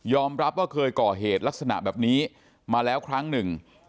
รับว่าเคยก่อเหตุลักษณะแบบนี้มาแล้วครั้งหนึ่ง